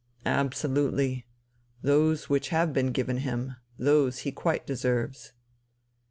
"Absolutely. Those which have been given him; those he quite deserves."